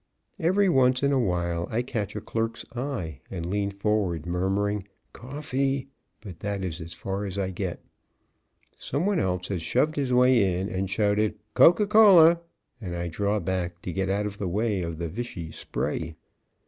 Every once in a while I catch a clerk's eye and lean forward murmuring, "Coffee" but that is as far as I get. Some one else has shoved his way in and shouted, "Coca Cola," and I draw back to get out of the way of the vichy spray.